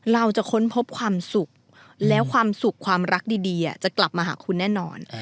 เราจะค้นพบความสุขแล้วความสุขความรักดีจะกลับมาหาคุณแน่นอน